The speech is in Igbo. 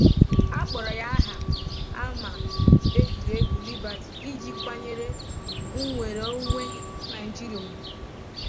Akpọrọ ya aha ama egwuregwu Liberty iji kwanyere nnwere onwe Naịjirịa ugwu.